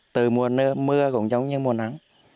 từ mùa mưa cũng giống như mùa nắng